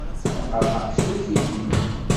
Ma qerḥeɣ-k surf-iyi.